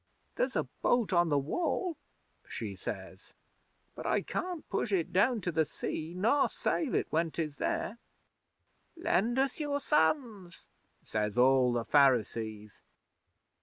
'"There's a boat on the Wall," she says, "but I can't push it down to the sea, nor sail it when 'tis there." '"Lend us your sons," says all the Pharisees.